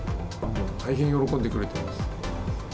大変喜んでくれています。